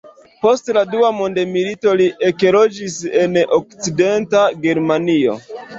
Post la dua mondmilito li ekloĝis en Okcidenta Germanio.